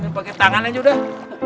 ini pake tangan aja udah